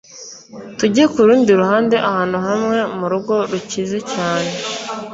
tujye kurundi ruhande, ahantu hamwe mu rugo rukize cyane